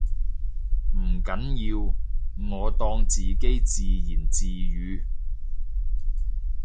唔緊要，我當自己自言自語